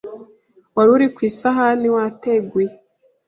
warurire ku isahani wateguye,